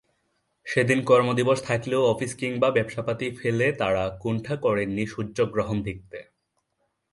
সেদিন কর্মদিবস থাকলেও অফিস কিংবা ব্যবসাপাতি ফেলে তারা কুণ্ঠা করেনি সূর্যগ্রহণ দেখতে।